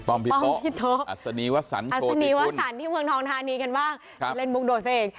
ป้อมพี่อัศนีวศรอัศนีวศรที่เมืองท้องทานีกันบ้างครับเล่นบุกโดสเอง